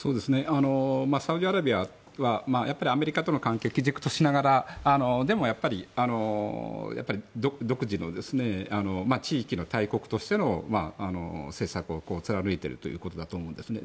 サウジアラビアはアメリカとの関係を基軸としながら、でもやっぱり独自の地域の大国としての施策を貫いているということだと思うんですね。